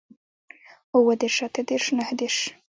اووه دېرش اتۀ دېرش نهه دېرش